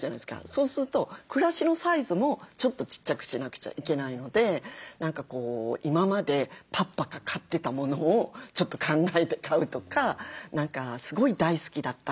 そうすると暮らしのサイズもちょっとちっちゃくしなくちゃいけないので今までパッパカ買ってたものをちょっと考えて買うとかすごい大好きだった